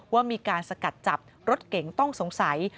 ว่ามีการสกัดจับรถเก๋งต้องสงสัย